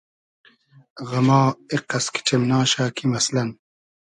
غئما ایقئس کیݖیمناشۂ کی مئسلئن